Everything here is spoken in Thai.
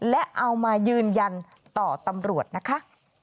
และเอามายืนยันต่อตำรวจนะคะ